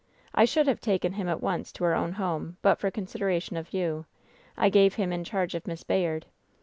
I should have taken him at once to our own home but for consideration of you. I gave him in charge of Miss Bayard.